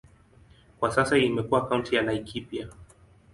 Kwa sasa imekuwa kaunti ya Laikipia.